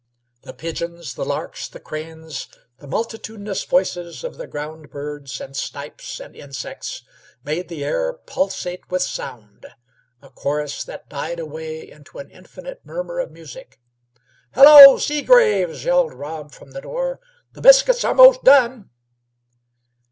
The pigeons, the larks, the cranes, the multitudinous voices of the ground birds and snipes and insects, made the air pulsate with sound a chorus that died away into an infinite murmur of music. "Hello, Seagraves!" yelled Rob from the door. "The biscuit are 'most done."